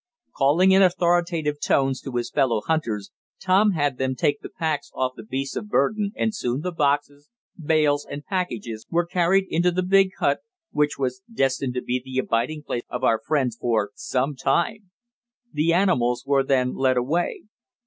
Calling in authorative tones to his fellow hunters, Tom had them take the packs off the beasts of burdens and soon the boxes, bales and packages were carried into the big hut, which was destined to be the abiding place of our friends for some time. The animals were then led away.